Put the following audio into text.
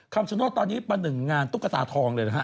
คำชนอดตอนนี้ประหนึ่งงานตุ๊กกระตาทองเลย